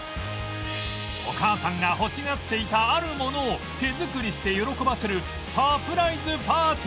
お母さんが欲しがっていたあるものを手作りして喜ばせるサプライズパーティー